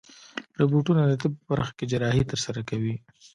روبوټونه د طب په برخه کې جراحي ترسره کوي.